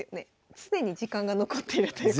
常に時間が残ってるということで。